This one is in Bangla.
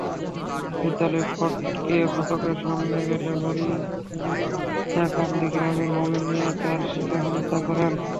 বিদ্যালয়ের ফটকের সামনে গেলে মরিচাকান্দি গ্রামের মোমেন মিয়া তার শ্লীলতাহানি করেন।